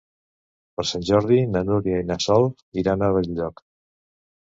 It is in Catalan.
Per Sant Jordi na Núria i na Sol iran a Benlloc.